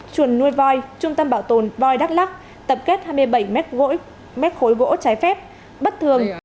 chuồn nuôi voi trung tâm bảo tồn voi đắk lắk tập kết hai mươi bảy mét khối gỗ cháy phép bất thường